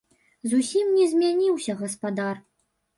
Зусім не змяніўся гаспадар.